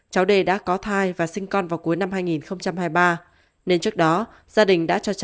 cháu đê đã có thai và sinh con vào cuối năm hai nghìn hai mươi ba